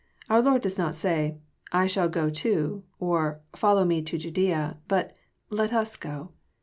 Our Lord does not say. I shall go to," or, " Follow Me to Ju daea, but, *' Let us go.